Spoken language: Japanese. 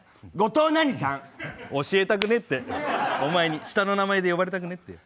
教えたくねえってお前に下の名前で呼ばれたくない。